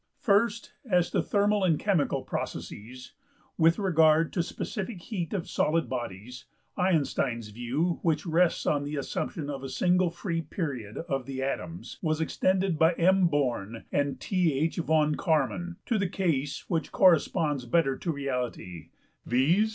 First, as to thermal and chemical processes. With regard to specific heat of solid bodies, Einstein's view, which rests on the assumption of a single free period of the atoms, was extended by M.~Born and Th.~von~Karman to the case which corresponds better to reality, viz.